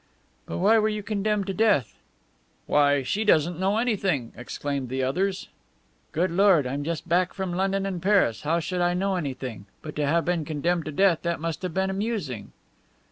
"But why were you condemned to death?" "Why, she doesn't know anything!" exclaimed the others. "Good Lord, I'm just back from London and Paris how should I know anything! But to have been condemned to death! That must have been amusing."